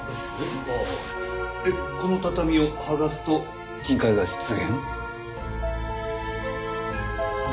えっこの畳を剥がすと金塊が出現？